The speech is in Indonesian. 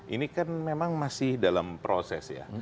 ini kan memang masih dalam proses ya